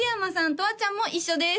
とわちゃんも一緒です